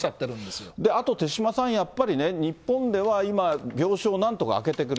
あと手嶋さん、やっぱりね、日本では今、病床をなんとか空けてくれ。